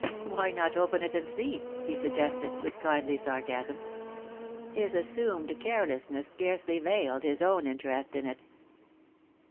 "Why not open it and see?" he suggested, with kindly sarcasm. His assumed carelessness scarcely veiled his own interest in it.